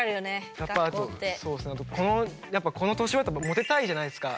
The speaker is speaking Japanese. やっぱあとこの年頃だとモテたいじゃないですか。